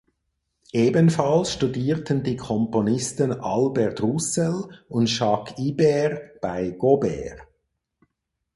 Ebenfalls studierten die Komponisten Albert Roussel und Jacques Ibert bei Gaubert.